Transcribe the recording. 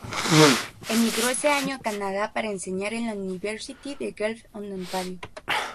Emigró ese año a Canadá para enseñar en la University de Guelph en Ontario.